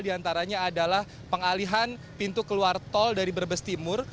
di antaranya adalah pengalihan pintu keluar tol dari brebes timur